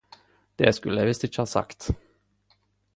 Det skulde eg visst ikkje ha sagt.